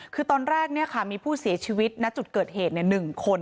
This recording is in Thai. คือตอนแรกมีผู้เสียชีวิตณจุดเกิดเหตุ๑คน